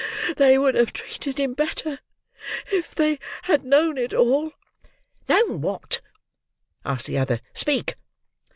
They would have treated him better, if they had known it all!" "Known what?" asked the other. "Speak!"